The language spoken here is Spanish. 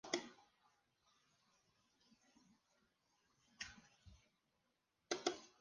Por sus servicios en ese tiempo, fue condecorado con la Cruz de Vuelo Distinguido.